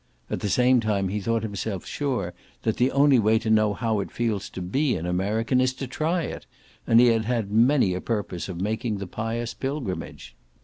At the same time he thought himself sure that the only way to know how it feels to be an American is to try it, and he had had many a purpose of making the pious pilgrimage.